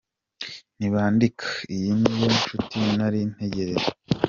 Ntibandika: Iyi niyo nshuti nari ntegereje.